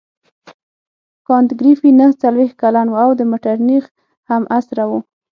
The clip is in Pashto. کانت ګریفي نهه څلوېښت کلن وو او د مټرنیخ همعصره وو.